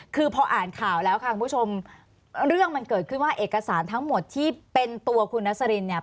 คือพออ่านข่าวแล้วค่ะคุณผู้ชมเรื่องมันเกิดขึ้นว่าเอกสารทั้งหมดที่เป็นตัวคุณนัสรินเนี่ย